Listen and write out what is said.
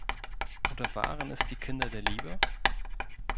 Oder waren es die Kinder der Liebe?